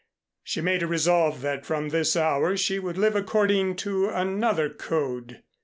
She made a resolve that from this hour she would live according to another code.